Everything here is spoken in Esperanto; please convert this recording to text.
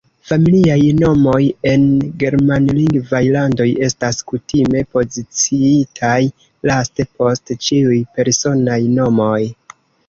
Familiaj nomoj en Germanlingvaj landoj estas kutime poziciitaj laste, post ĉiuj personaj nomoj.